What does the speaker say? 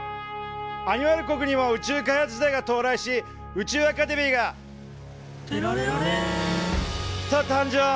アニマル国にも宇宙開発時代が到来し宇宙アカデミーが「てられられん！」と誕生。